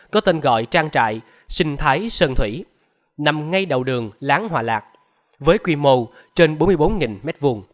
có tên gọi trang trại sinh thái sơn thủy nằm ngay đầu đường láng hòa lạc với quy mô trên bốn mươi bốn m hai